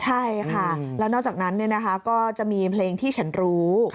ใช่ค่ะแล้วนอกจากนั้นก็จะมีเพลงที่ฉันรู้